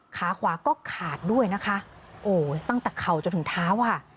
ขาขวาก็ขาดด้วยนะคะโอ้ตั้งแต่เข่าจนถึงเท้าอ่ะ